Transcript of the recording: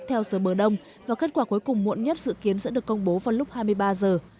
theo giờ bờ đông và kết quả cuối cùng muộn nhất dự kiến sẽ được công bố vào lúc hai mươi ba giờ